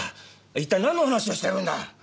一体なんの話をしてるんだ？